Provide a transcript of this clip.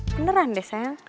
beneran deh sayang